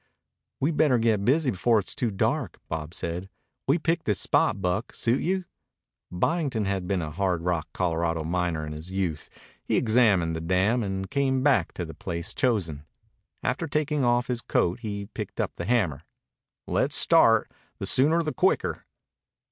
"We'd better get busy before it's too dark," Bob said. "We picked this spot, Buck. Suit you?" Byington had been a hard rock Colorado miner in his youth. He examined the dam and came back to the place chosen. After taking off his coat he picked up the hammer. "Le's start. The sooner the quicker."